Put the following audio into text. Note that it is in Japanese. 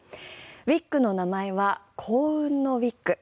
ウィッグの名前は幸運のウィッグ。